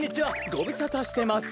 ごぶさたしてます。